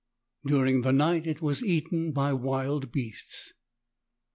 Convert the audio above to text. During the night it was eaten by wild beasts.